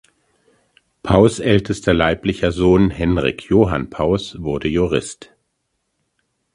Paus’ ältester leiblicher Sohn Henrik Johan Paus wurde Jurist.